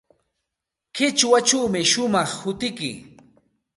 Qichwachawmi shumaq hutiyki.